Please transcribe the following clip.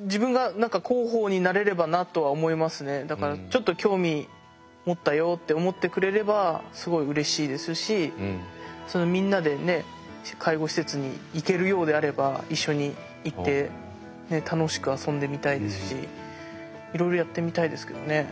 だからちょっと興味持ったよって思ってくれればすごいうれしいですしみんなで介護施設に行けるようであれば一緒に行って楽しく遊んでみたいですしいろいろやってみたいですけどね。